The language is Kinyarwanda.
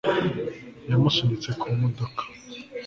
yamusunitse ku modoka